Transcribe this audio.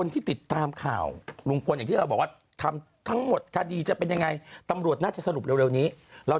ไปได้แฟนตอนที่ทำคดีนี้หรือเปล่า